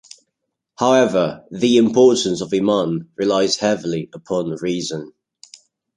However the importance of Iman relies heavily upon reason.